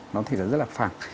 nó có thể rất là phẳng